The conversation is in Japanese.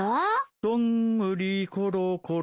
「どんぐりころころ」